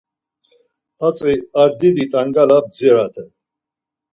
Hatzi ar didi t̆angala bdziraten.